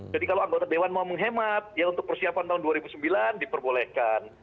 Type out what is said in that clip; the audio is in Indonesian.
jadi kalau anggota dewan mau menghemat ya untuk persiapan tahun dua ribu sembilan diperbolehkan